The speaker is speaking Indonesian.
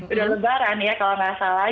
udah lebaran ya kalau nggak salah